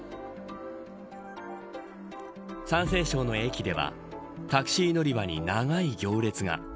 山西省の駅ではタクシー乗り場に長い行列が。